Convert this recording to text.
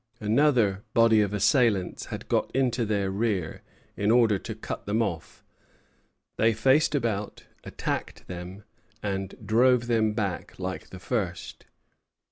Another body of assailants had got into their rear, in order to cut them off. They faced about, attacked them, and drove them back like the first.